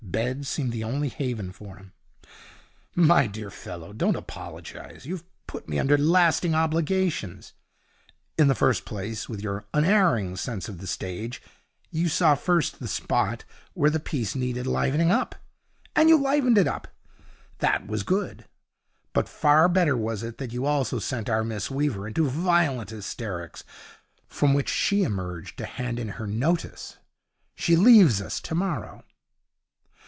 Bed seemed the only haven for him. 'My dear fellow, don't apologize. You have put me under lasting obligations. In the first place, with your unerring sense of the stage, you saw just the spot where the piece needed livening up, and you livened it up. That was good; but far better was it that you also sent our Miss Weaver into violent hysterics, from which she emerged to hand in her notice. She leaves us tomorrow.'